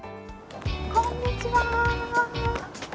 こんにちは。